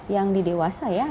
yang di dewasa ya